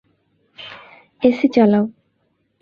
AC চালাও।